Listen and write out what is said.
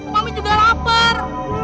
mami juga lapar